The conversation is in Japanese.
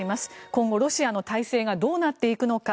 今後、ロシアの体制がどうなっていくのか。